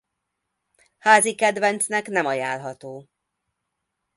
Házi kedvencnek nem ajánlható.